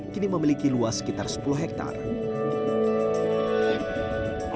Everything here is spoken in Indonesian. kini memiliki luas sekitar sepuluh hektare